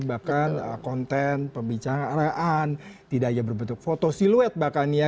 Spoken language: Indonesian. bahkan konten pembicaraan tidak hanya berbentuk foto siluet bahkan ya